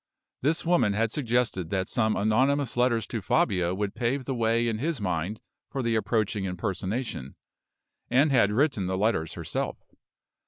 This woman had suggested that some anonymous letters to Fabio would pave the way in his mind for the approaching impersonation, and had written the letters herself.